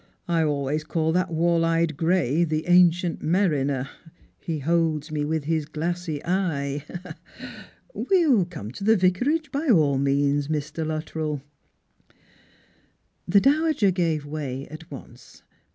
I always call that wall eyed gray the Ancient Mariner. He holds me with his glassy eye. We'll come to the Vicarage, by all meanc, Mr. Luttrell." The dowager gave way at once.